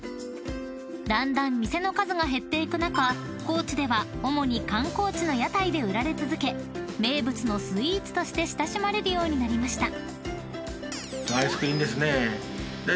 ［だんだん店の数が減っていく中高知では主に観光地の屋台で売られ続け名物のスイーツとして親しまれるようになりました］